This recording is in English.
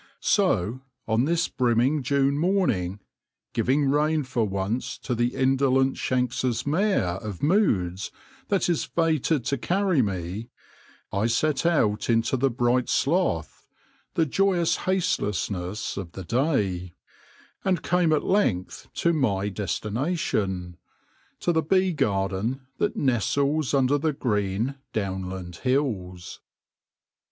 So, on this brimming June morning, giving rein for once to the indolent Shank's mare of moods that is fated to carry me, I set out into the bright sloth, the joyous hastelessness of the day ; and came at length to my destination — to 'the bee garden that nestles under the green Downland hills.